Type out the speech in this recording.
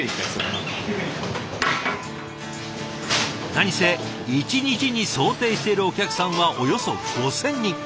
何せ一日に想定しているお客さんはおよそ５，０００人。